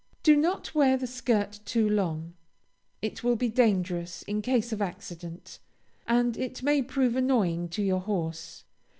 Do not wear the skirt too long; it will be dangerous in case of accident, and it may prove annoying to your horse.